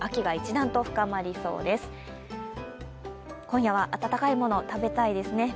今夜は温かいものを食べたいですね。